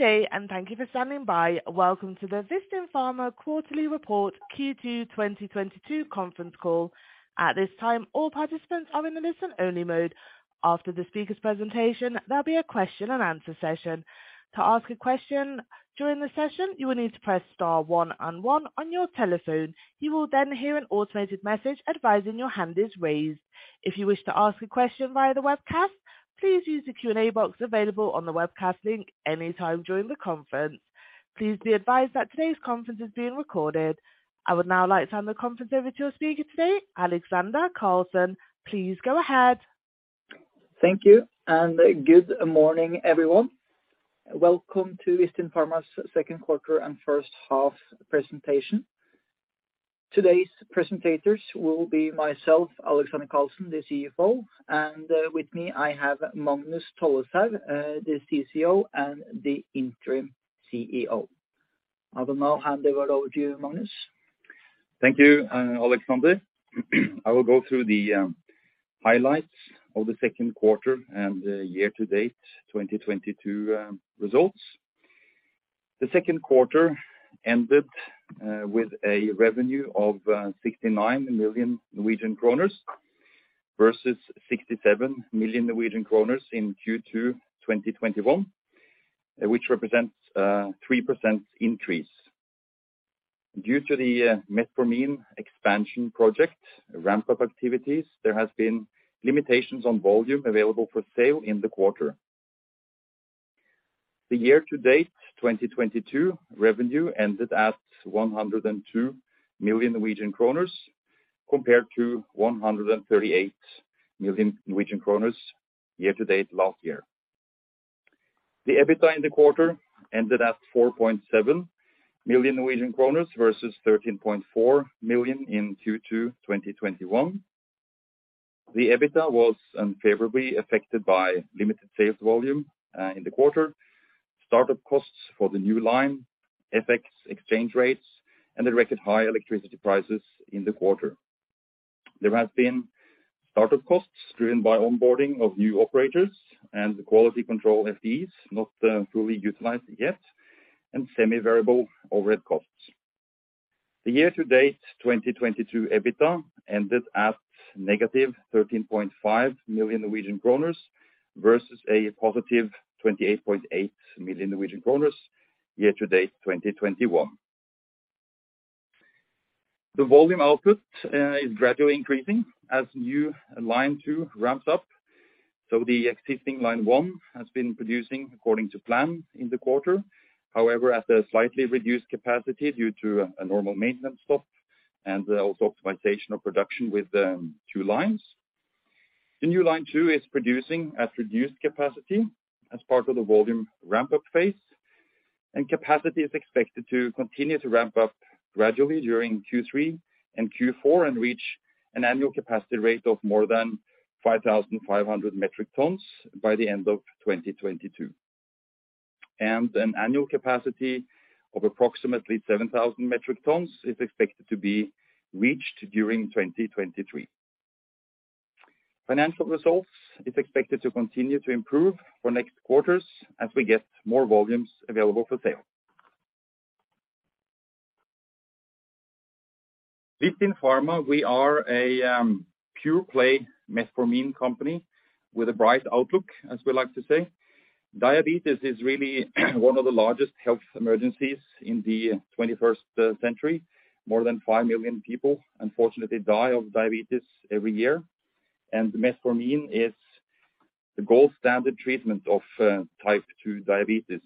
Good day, and thank you for standing by. Welcome to the Vistin Pharma quarterly report Q2 2022 conference call. At this time, all participants are in the listen-only mode. After the speaker's presentation, there'll be a question and answer session. To ask a question during the session, you will need to press star one and one on your telephone. You will then hear an automated message advising your hand is raised. If you wish to ask a question via the webcast, please use the Q&A box available on the webcast link anytime during the conference. Please be advised that today's conference is being recorded. I would now like to hand the conference over to our speaker today, Alexander Karlsen. Please go ahead. Thank you, and good morning, everyone. Welcome to Vistin Pharma's second quarter and first half presentation. Today's presenters will be myself, Alexander Karlsen, the CFO, and with me, I have Magnus Tolleshaug, the CCO and the interim CEO. I will now hand over to you, Magnus. Thank you, Alexander. I will go through the highlights of the second quarter and the year to date 2022 results. The second quarter ended with a revenue of 69 million Norwegian kroner versus 67 million Norwegian kroner in Q2 2021, which represents a 3% increase. Due to the Metformin Expansion Project ramp-up activities, there has been limitations on volume available for sale in the quarter. The year to date 2022 revenue ended at 102 million Norwegian kroner compared to 138 million Norwegian kroner year to date last year. The EBITDA in the quarter ended at 4.7 million Norwegian kroner versus 13.4 million in Q2 2021. The EBITDA was unfavorably affected by limited sales volume in the quarter, start-up costs for the new line, FX exchange rates, and the record high electricity prices in the quarter. There has been start-up costs driven by onboarding of new operators and the quality control FTEs not fully utilized yet and semi-variable overhead costs. The year to date 2022 EBITDA ended at -13.5 million Norwegian kroner versus a +28.8 million Norwegian kroner year to date 2021. The volume output is gradually increasing as new line two ramps up. The existing line 1 has been producing according to plan in the quarter. However, at a slightly reduced capacity due to a normal maintenance stop and also optimization of production with two lines. The new line two is producing at reduced capacity as part of the volume ramp-up phase, and capacity is expected to continue to ramp up gradually during Q3 and Q4 and reach an annual capacity rate of more than 5,500 metric tons by the end of 2022. An annual capacity of approximately 7,000 metric tons is expected to be reached during 2023. Financial results is expected to continue to improve for next quarters as we get more volumes available for sale. Vistin Pharma, we are a pure play Metformin company with a bright outlook, as we like to say. Diabetes is really one of the largest health emergencies in the twenty-first century. More than five million people unfortunately die of diabetes every year. Metformin is the gold standard treatment of type 2 diabetes.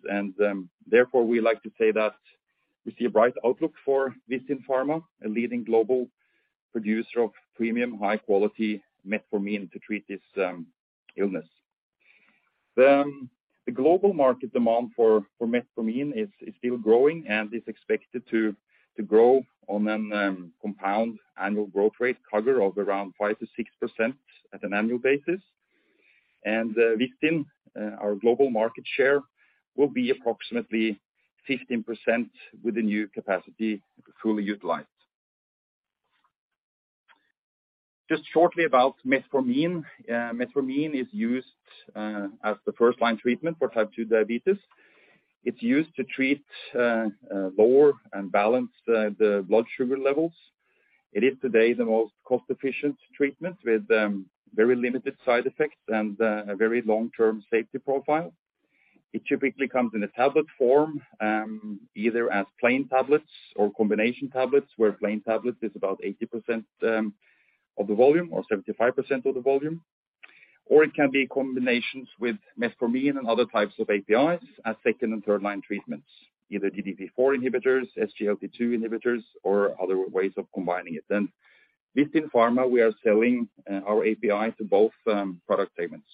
Therefore, we like to say that we see a bright outlook for Vistin Pharma, a leading global producer of premium high quality Metformin to treat this illness. The global market demand for Metformin is still growing and is expected to grow on a compound annual growth rate, CAGR, of around 5%-6% at an annual basis. Our global market share will be approximately 15% with the new capacity fully utilized. Just shortly about Metformin. Metformin is used as the first-line treatment for type 2 diabetes. It's used to treat lower and balance the blood sugar levels. It is today the most cost-efficient treatment with very limited side effects and a very long-term safety profile. It typically comes in a tablet form, either as plain tablets or combination tablets, where plain tablet is about 80% of the volume or 75% of the volume. It can be combinations with Metformin and other types of APIs as second- and third-line treatments, either DPP-4 inhibitors, SGLT-2 inhibitors, or other ways of combining it. Vistin Pharma, we are selling our API to both product segments.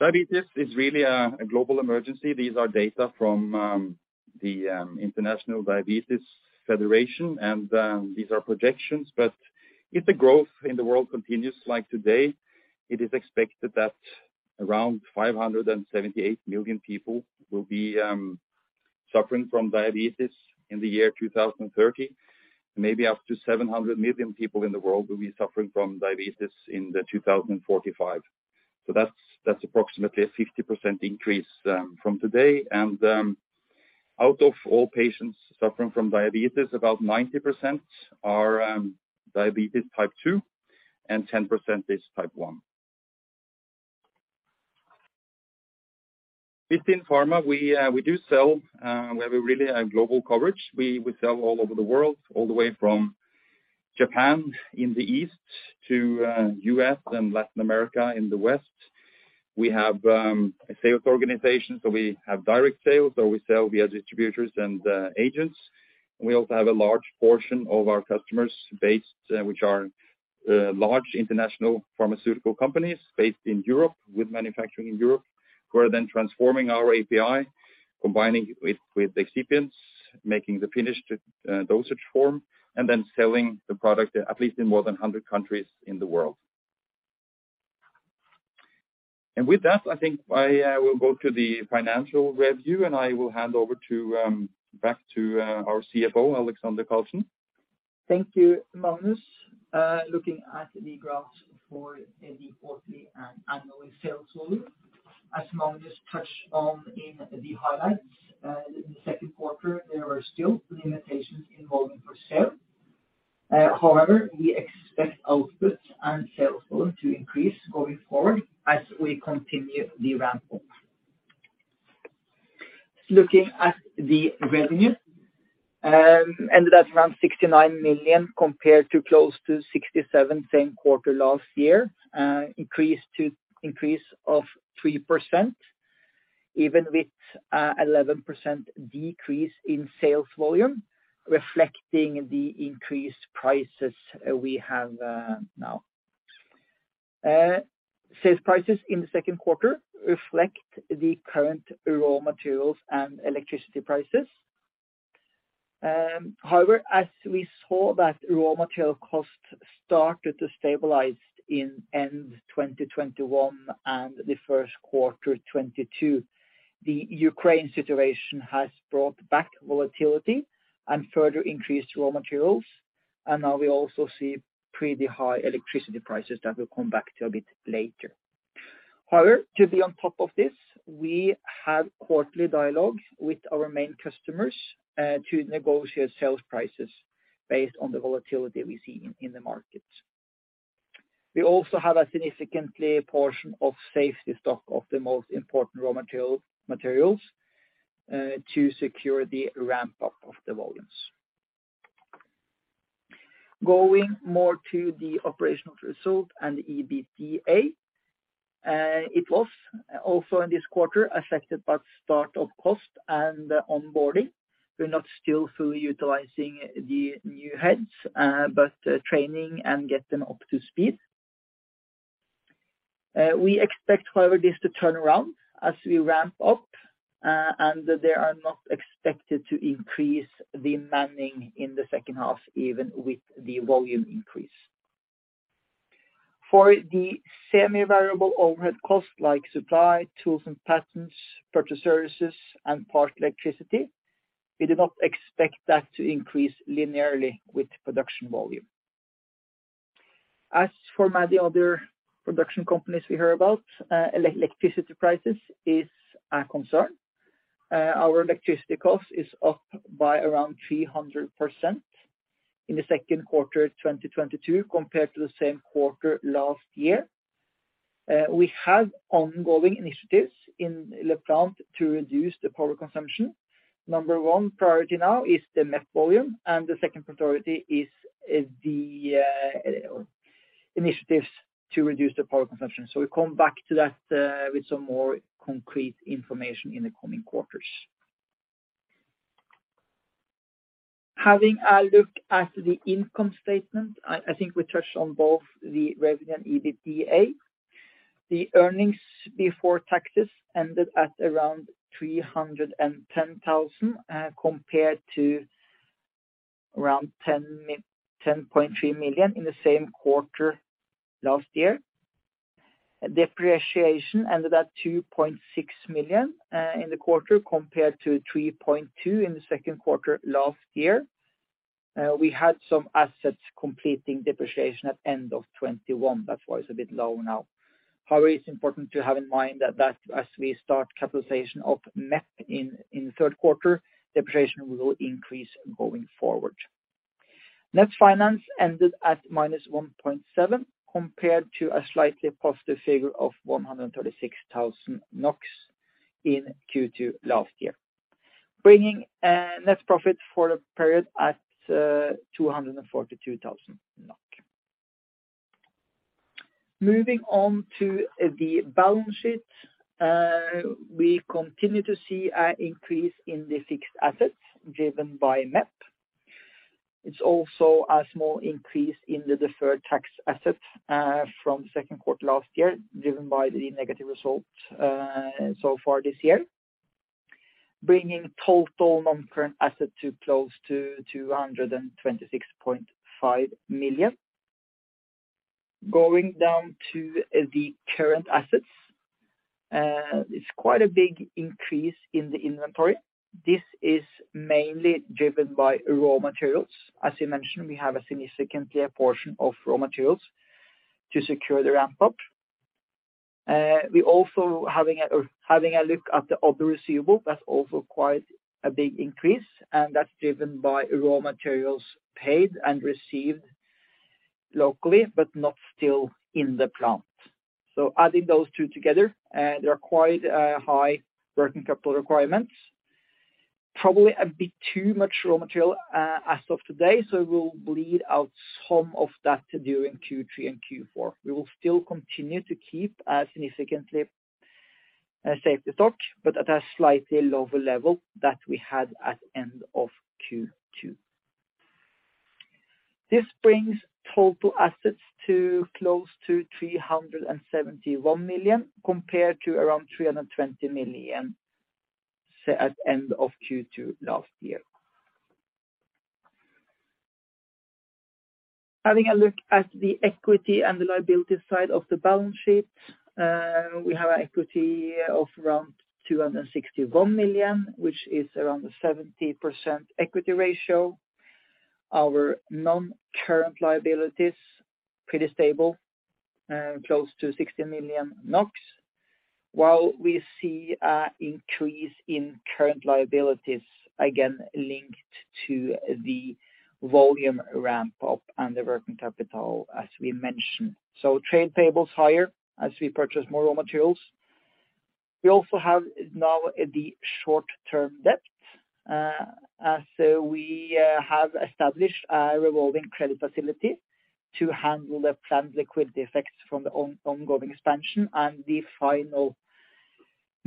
Diabetes is really a global emergency. These are data from the International Diabetes Federation, and these are projections. If the growth in the world continues like today, it is expected that around 578 million people will be suffering from diabetes in the year 2030. Maybe up to 700 million people in the world will be suffering from diabetes in 2045. That's approximately a 50% increase from today. Out of all patients suffering from diabetes, about 90% are diabetes type two and 10% is type one. Within pharma, we do sell. We have a really global coverage. We sell all over the world, all the way from Japan in the east to U.S. and Latin America in the west. We have a sales organization, so we have direct sales, so we sell via distributors and agents. We also have a large portion of our customers, which are large international pharmaceutical companies based in Europe with manufacturing in Europe, who are then transforming our API, combining it with excipients, making the finished dosage form and then selling the product at least in more than a hundred countries in the world. With that, I think I will go to the financial review, and I will hand over back to our CFO, Alexander Karlsen. Thank you, Magnus. Looking at the graphs for the quarterly and annual sales volume. As Magnus touched on in the highlights, in the second quarter, there were still limitations in volume for sale. However, we expect outputs and sales volume to increase going forward as we continue the ramp up. Looking at the revenue, ended at around 69 million compared to close to 67 million same quarter last year, increase of 3%, even with 11% decrease in sales volume, reflecting the increased prices we have now. Sales prices in the second quarter reflect the current raw materials and electricity prices. However, as we saw that raw material costs started to stabilize in end 2021 and the first quarter 2022, the Ukraine situation has brought back volatility and further increased raw materials. Now we also see pretty high electricity prices that we'll come back to a bit later. However, to be on top of this, we have quarterly dialogue with our main customers, to negotiate sales prices based on the volatility we see in the markets. We also have a significant portion of safety stock of the most important raw materials, to secure the ramp up of the volumes. Going more to the operational result and the EBITDA, it was also in this quarter affected by start-up cost and onboarding. We're not still fully utilizing the new heads, but training and get them up to speed. We expect, however, this to turn around as we ramp up, and they are not expected to increase the manning in the second half, even with the volume increase. For the semi-variable overhead costs like supply, tools and patterns, purchase services and part electricity, we do not expect that to increase linearly with production volume. As for many other production companies we hear about, electricity prices is a concern. Our electricity cost is up by around 300% in the second quarter 2022 compared to the same quarter last year. We have ongoing initiatives in the plant to reduce the power consumption. Number one priority now is the MEP volume, and the second priority is the initiatives to reduce the power consumption. We come back to that with some more concrete information in the coming quarters. Having a look at the income statement, I think we touched on both the revenue and EBITDA. The earnings before taxes ended at around 310,000 compared to around 10.3 million in the same quarter last year. Depreciation ended at 2.6 million in the quarter compared to 3.2 million in the second quarter last year. We had some assets completing depreciation at end of 2021. That's why it's a bit low now. However, it's important to have in mind that as we start capitalization of MEP in the third quarter, depreciation will increase going forward. Net finance ended at minus 1.7 million, compared to a slightly positive figure of 136,000 NOK in Q2 last year, bringing net profit for the period at 242,000 NOK. Moving on to the balance sheet. We continue to see an increase in the fixed assets driven by MEP. It's also a small increase in the deferred tax assets, from second quarter last year, driven by the negative results, so far this year, bringing total non-current asset to close to 226.5 million. Going down to the current assets, it's quite a big increase in the inventory. This is mainly driven by raw materials. As you mentioned, we have a significant portion of raw materials to secure the ramp up. We also have a look at the other receivable, that's also quite a big increase, and that's driven by raw materials paid and received locally, but not still in the plant. Adding those two together, they are quite high working capital requirements. Probably a bit too much raw material as of today, so we'll bleed out some of that during Q3 and Q4. We will still continue to keep a significantly safety stock, but at a slightly lower level that we had at end of Q2. This brings total assets to close to 371 million, compared to around 320 million say at end of Q2 last year. Having a look at the equity and the liability side of the balance sheet, we have equity of around 261 million, which is around 70% equity ratio. Our non-current liabilities, pretty stable, close to 60 million NOK. While we see a increase in current liabilities, again, linked to the volume ramp up and the working capital as we mentioned. Trade payables higher as we purchase more raw materials. We also have now the short-term debt, as we have established a revolving credit facility to handle the planned liquidity effects from the ongoing expansion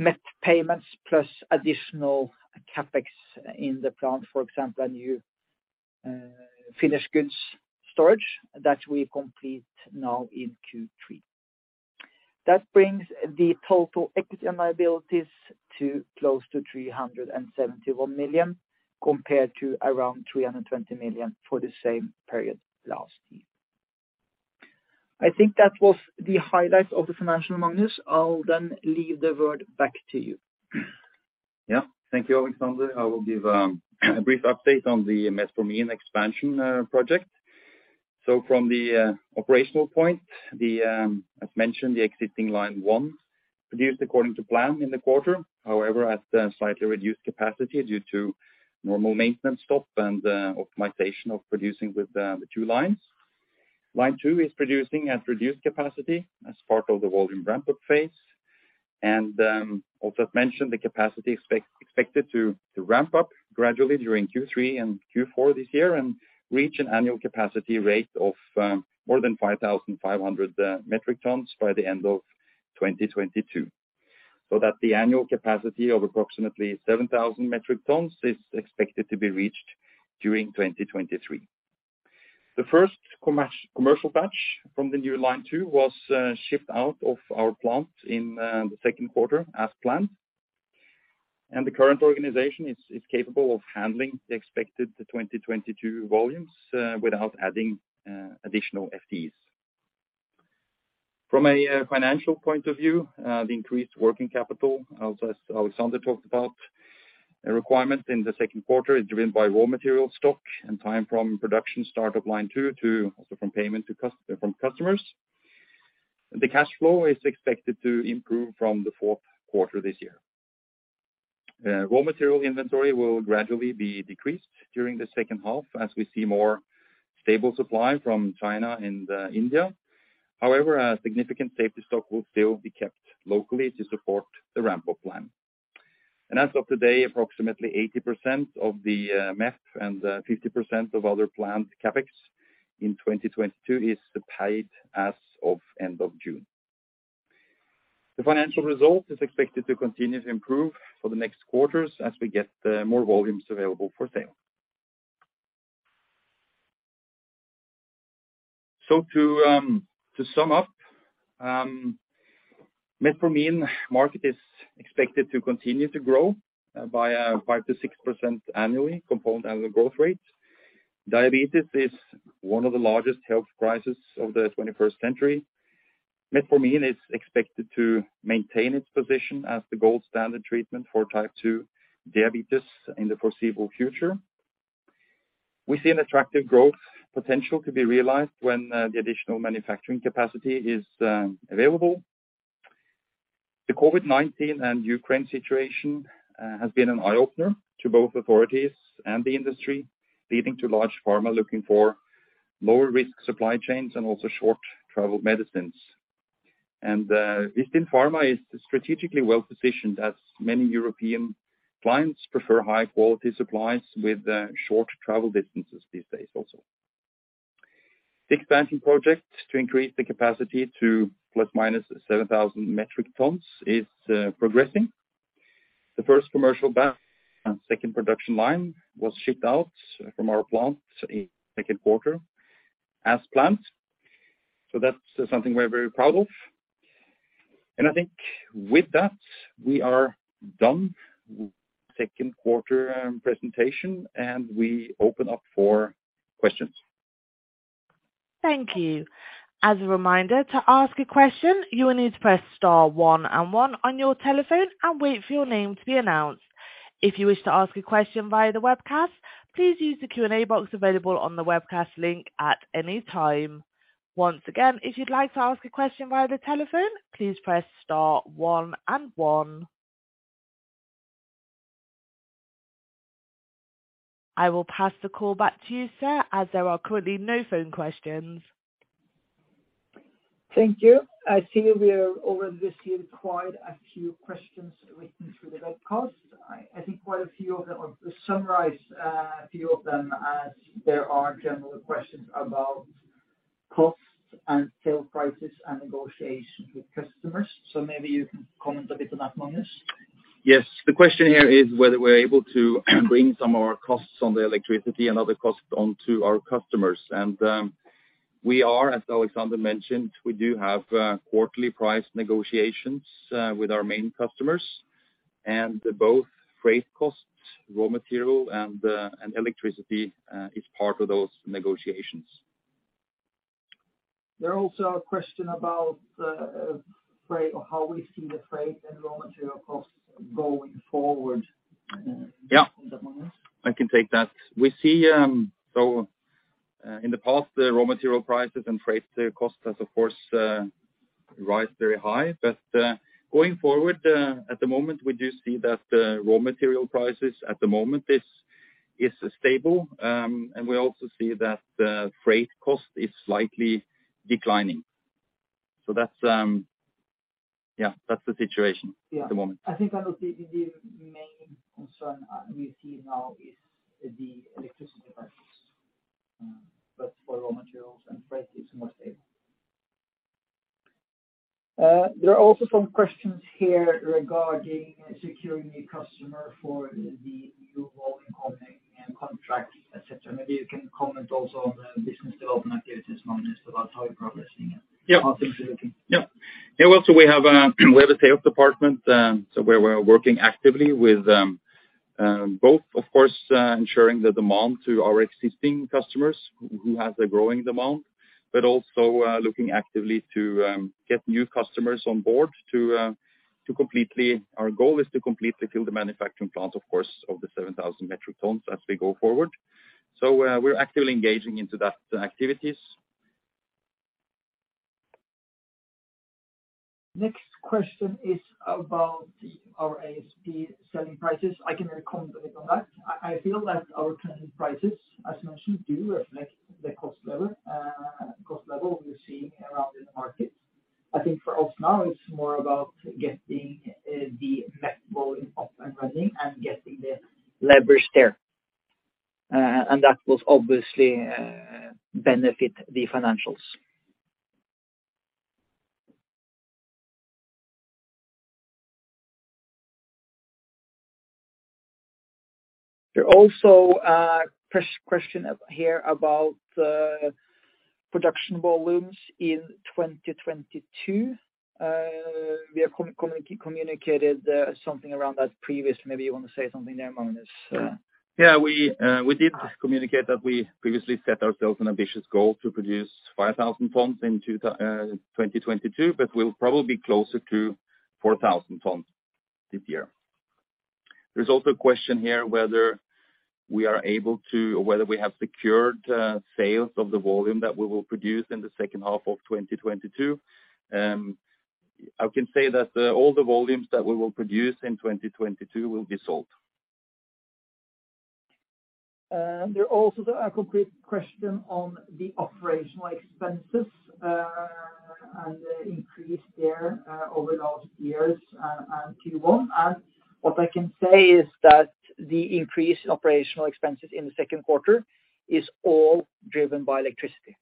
and the final MEP payments plus additional CapEx in the plant, for example, a new finished goods storage that we complete now in Q3. That brings the total equity and liabilities to close to 371 million compared to around 320 million for the same period last year. I think that was the highlights of the financials, Magnus. I'll then hand the word back to you. Yeah. Thank you, Alexander. I will give a brief update on the Metformin expansion project. From the operational point, as mentioned, the existing line one produced according to plan in the quarter, however, at a slightly reduced capacity due to normal maintenance stop and optimization of producing with the two lines. Line two is producing at reduced capacity as part of the volume ramp-up phase. Also as mentioned, the capacity expected to ramp up gradually during Q3 and Q4 this year and reach an annual capacity rate of more than 5,500 metric tons by the end of 2022. That the annual capacity of approximately 7,000 metric tons is expected to be reached during 2023. The first commercial batch from the new line two was shipped out of our plant in the second quarter as planned. The current organization is capable of handling the expected 2022 volumes without adding additional FTEs. From a financial point of view, the increased working capital, also as Alexander talked about, requirement in the second quarter is driven by raw material stock and time from production start of line two to payment from customers. The cash flow is expected to improve from the fourth quarter this year. Raw material inventory will gradually be decreased during the second half as we see more stable supply from China and India. However, a significant safety stock will still be kept locally to support the ramp-up plan. As of today, approximately 80% of the Metformin and 50% of other plant CapEx in 2022 is paid as of end of June. The financial result is expected to continue to improve for the next quarters as we get more volumes available for sale. To sum up, Metformin market is expected to continue to grow by 5%-6% annually compound annual growth rate. Diabetes is one of the largest health crisis of the 21st century. Metformin is expected to maintain its position as the gold standard treatment for type 2 diabetes in the foreseeable future. We see an attractive growth potential to be realized when the additional manufacturing capacity is available. The COVID-19 and Ukraine situation has been an eye-opener to both authorities and the industry, leading to large pharma looking for lower risk supply chains and also short travel medicines. Vistin Pharma is strategically well-positioned as many European clients prefer high quality supplies with short travel distances these days also. The expansion project to increase the capacity to ±7,000 metric tons is progressing. The first commercial batch and second production line was shipped out from our plant in second quarter as planned. That's something we're very proud of. I think with that, we are done with second quarter presentation, and we open up for questions. Thank you. As a reminder, to ask a question, you will need to press star one and one on your telephone and wait for your name to be announced. If you wish to ask a question via the webcast, please use the Q&A box available on the webcast link at any time. Once again, if you'd like to ask a question via the telephone, please press star one and one. I will pass the call back to you, sir, as there are currently no phone questions. Thank you. Over this year, quite a few questions written through the webcast. I think, to summarize, a few of them as there are general questions about costs and sales prices and negotiations with customers. Maybe you can comment a bit on that, Magnus. Yes. The question here is whether we're able to bring some of our costs on the electricity and other costs on to our customers. We are, as Alexander mentioned, we do have quarterly price negotiations with our main customers, and both freight costs, raw material, and electricity is part of those negotiations. There are also a question about freight or how we see the freight and raw material costs going forward. Yeah. I can take that. We see. In the past, the raw material prices and freight costs has, of course, rise very high. Going forward, at the moment, we do see that the raw material prices at the moment is stable. We also see that the freight cost is slightly declining. That's, yeah, that's the situation. Yeah. At the moment. I think that would be the main concern we see now is the electricity prices. For raw materials and freight is more stable. There are also some questions here regarding securing a customer for the new volume coming and contract, et cetera. Maybe you can comment also on the business development activities on this, about how you're progressing it. Yeah. How things are looking. Well, we have a sales department where we're working actively with both, of course, ensuring the demand to our existing customers who have a growing demand, but also looking actively to get new customers on board to completely fill the manufacturing plant, of course, of the 7,000 metric tons as we go forward. We're actively engaging into that activities. Next question is about our ASP selling prices. I can comment a bit on that. I feel that our current prices, as mentioned, do reflect the cost level we're seeing around in the market. I think for us now it's more about getting the MEP going up and running and getting the leverage there. And that will obviously benefit the financials. There is also a press question here about the production volumes in 2022. We have communicated something around that previously. Maybe you wanna say something there, Magnus. Yeah. We did communicate that we previously set ourselves an ambitious goal to produce 5,000 tons in 2022, but we'll probably be closer to 4,000 tons this year. There's also a question here whether we are able to, or whether we have secured, sales of the volume that we will produce in the second half of 2022. I can say that all the volumes that we will produce in 2022 will be sold. There are also a complete question on the operational expenses, and the increase there, over the last years, and Q1. What I can say is that the increase in operational expenses in the second quarter is all driven by electricity.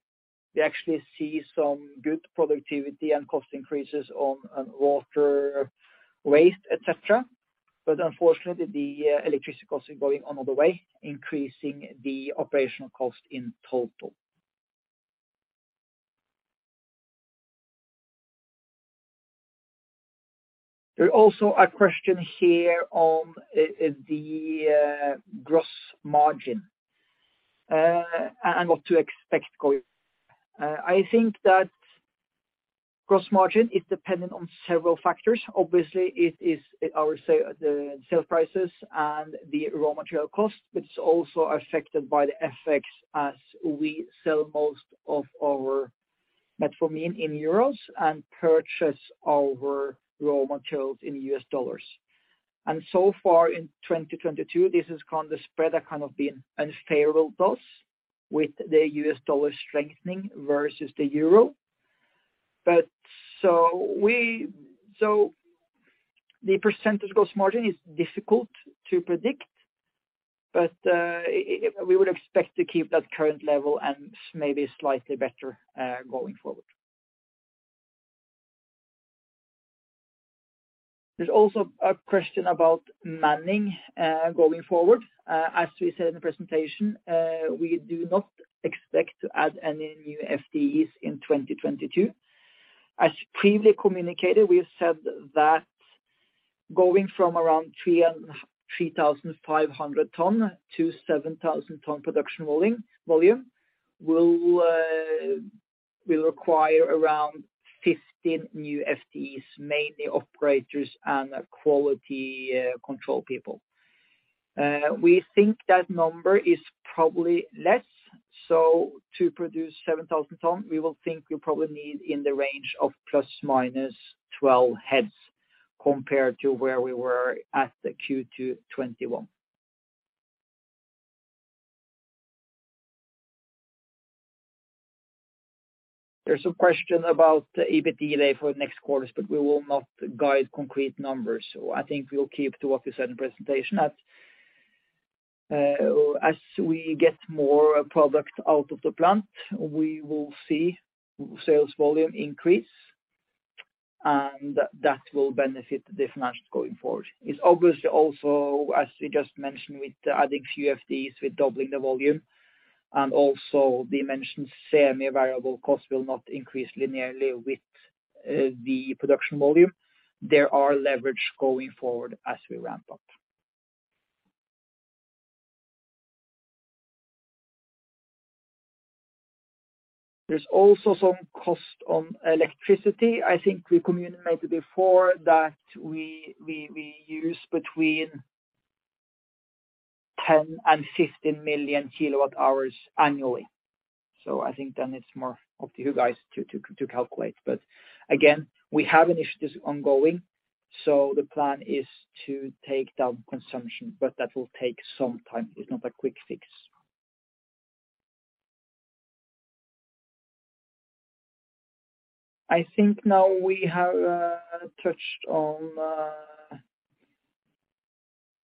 We actually see some good productivity and cost decreases on water, waste, et cetera. Unfortunately, the electricity cost is going another way, increasing the operational cost in total. There are also a question here on the gross margin, and what to expect going. I think that gross margin is dependent on several factors. Obviously, it is the sale prices and the raw material cost, but it's also affected by the FX as we sell most of our Metformin in euros and purchase our raw materials in U.S. dollars. So far in 2022, this has kind of spread and been unfavorable to us with the U.S. dollar strengthening versus the euro. The percentage gross margin is difficult to predict, but we would expect to keep that current level and maybe slightly better going forward. There is also a question about manning going forward. As we said in the presentation, we do not expect to add any new FTEs in 2022. As previously communicated, we have said that going from around 3,500 ton to 7,000 ton production volume will require around 15 new FTEs, mainly operators and quality control people. We think that number is probably less. To produce 7,000 tons, we think we probably need in the range of ±12 heads compared to where we were at the Q2 2021. There's a question about the EBITDA for next quarters, but we will not guide concrete numbers. I think we will keep to what we said in presentation. As we get more product out of the plant, we will see sales volume increase, and that will benefit the financials going forward. It's obviously also, as we just mentioned, with adding few FTEs, with doubling the volume and also the mentioned semi-variable cost will not increase linearly with the production volume. There are leverage going forward as we ramp up. There's also some cost on electricity. I think we communicated before that we use between 10 million-15 million kWh annually. I think then it's more up to you guys to calculate. Again, we have initiatives ongoing, so the plan is to take down consumption. That will take some time. It's not a quick fix. I think now we have touched on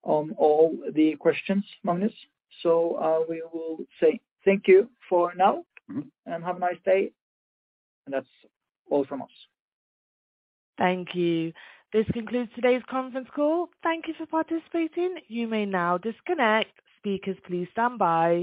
all the questions, Magnus. We will say thank you for now. Mm-hmm. Have a nice day. That's all from us. Thank you. This concludes today's conference call. Thank you for participating. You may now disconnect. Speakers, please stand by.